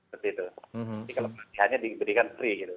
jadi kalau pelatihannya diberikan free gitu